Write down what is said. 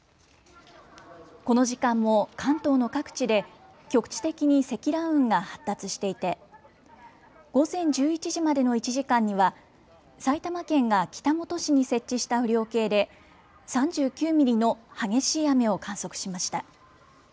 この時間も関東の各地で局地的に積乱雲が発達していて午前１１時までの１時間には埼玉県が北本市に設置した雨量計で３９ミリの激しい雨を観測しました。